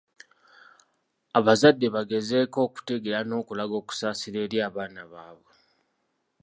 Abazadde bagezeeko okutegeera n'okulaga okusaasira eri abaana baabwe.